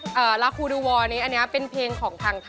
สวัสดีครับ